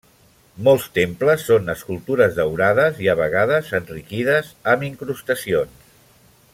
Molts temples són escultures daurades i, a vegades, enriquides amb incrustacions.